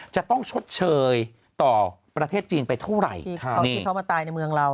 จะต้องชดเฉยต่อประเทศจีนไปเท่าไหร่อยากมาตายในเมืองเรา